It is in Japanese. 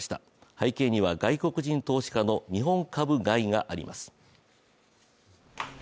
背景には外国人投資家の日本株買いがあります。